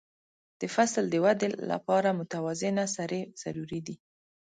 د فصل د وده لپاره متوازنه سرې ضروري دي.